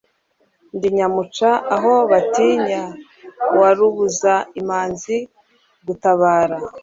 Ndi nyamuca aho batinya wa Rubuza imanzi gutabara,